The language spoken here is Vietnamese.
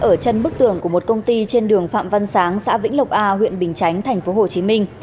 ở chân bức tường của một công ty trên đường phạm văn sáng xã vĩnh lộc a huyện bình chánh tp hcm